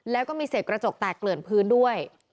แล้วก็มีเศษกระจกแตกเกลื่อนพื้นด้วย